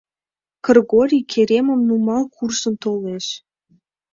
Кыргорий керемым нумал куржын толеш.